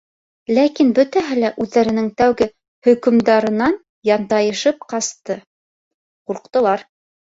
Ләкин бөтәһе лә үҙҙәренең тәүге хөкөмдарынан янтайышып ҡасты — ҡурҡтылар.